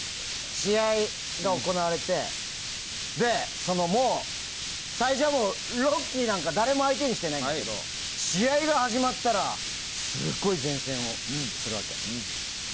試合が行われて最初はロッキーなんか誰も相手にしてないんだけど試合が始まったらすごい善戦をするわけ。